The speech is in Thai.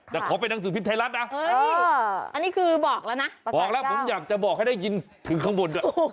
แต่ขอไปหนังสือพิมพ์ไทยรัฐนะอันนี้คือบอกแล้วผมอยากจะบอกให้ได้ยินถึงข้างบน